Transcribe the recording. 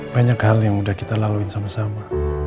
banyak hal yang udah kita laluin sama sama